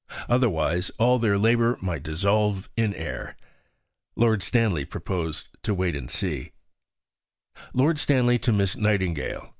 Otherwise, all their labour might dissolve in air. Lord Stanley proposed to wait and see: (_Lord Stanley to Miss Nightingale.